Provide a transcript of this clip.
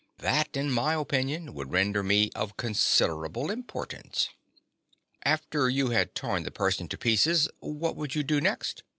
That, in my opinion, would render me of considerable importance." "After you had torn the person to pieces, what would you do next?"